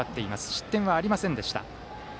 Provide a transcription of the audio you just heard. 失点はありませんでした。